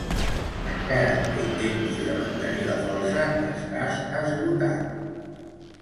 Encara que intentis de mantenir la força, estàs esgotat.